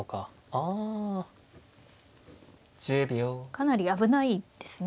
かなり危ないですね